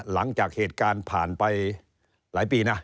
หลังจากเหตุการณ์ผ่านไปหลายปีนะ